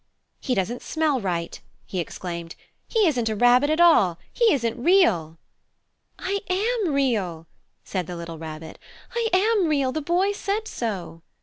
"He doesn't smell right!" he exclaimed. "He isn't a rabbit at all! He isn't real!" "I am Real!" said the little Rabbit. "I am Real! The Boy said so!"